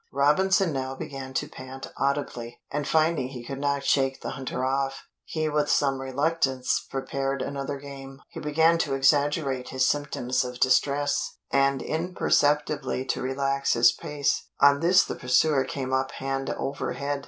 Robinson now began to pant audibly, and finding he could not shake the hunter off, he with some reluctance prepared another game. He began to exaggerate his symptoms of distress, and imperceptibly to relax his pace. On this the pursuer came up hand over head.